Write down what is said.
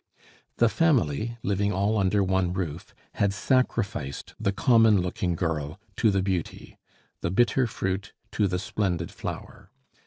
The family, living all under one roof, had sacrificed the common looking girl to the beauty, the bitter fruit to the splendid flower.